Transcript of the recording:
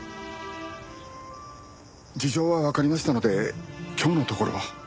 事情はわかりましたので今日のところは。